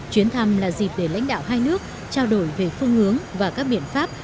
chuyến thăm là dịp để lãnh đạo hai nước trao đổi về phương hướng và các biện pháp